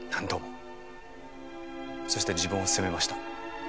そして自分を責めました。